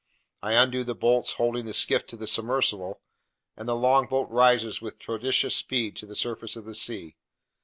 I undo the bolts holding the skiff to the submersible, and the longboat rises with prodigious speed to the surface of the sea.